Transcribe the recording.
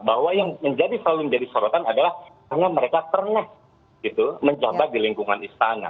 bahwa yang selalu menjadi sorotan adalah karena mereka pernah menjabat di lingkungan istana